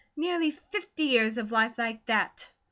Nearly fifty years of life like that!"